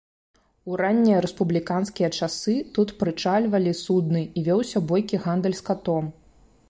У раннія рэспубліканскія часы тут прычальвалі судны і вёўся бойкі гандаль скатом.